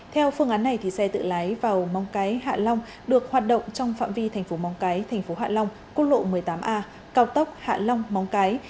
theo phương án này thì xe tự lái vào mong cái hạ long được hoạt động trong phạm vi thành phố móng cái thành phố hạ long quốc lộ một mươi tám a cao tốc hạ long móng cái